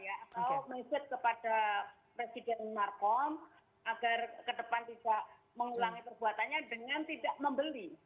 atau mesej kepada presiden markom agar ke depan tidak mengulangi perbuatannya dengan tidak membeli